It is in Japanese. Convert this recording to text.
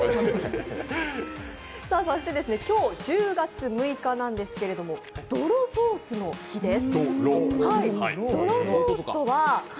そして今日１０月６日なんですけどどろソースの日です。